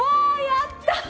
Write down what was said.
やったー！